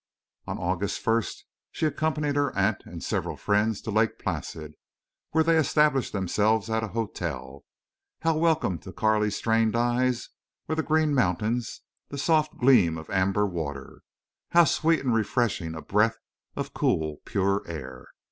On August 1st she accompanied her aunt and several friends to Lake Placid, where they established themselves at a hotel. How welcome to Carley's strained eyes were the green of mountains, the soft gleam of amber water! How sweet and refreshing a breath of cool pure air!